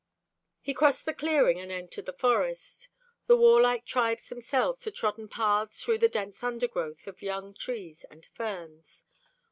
He crossed the clearing and entered the forest. The warlike tribes themselves had trodden paths through the dense undergrowth of young trees and ferns.